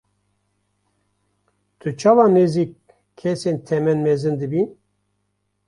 Tu çawa nêzî kesên temenmezin dibî?